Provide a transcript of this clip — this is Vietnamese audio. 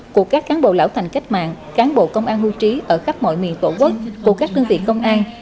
của các cán bộ lão thành cách mạng cán bộ công an hưu trí ở khắp mọi miền tổ quốc của các đơn vị công an